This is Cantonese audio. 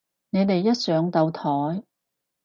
你哋一上到台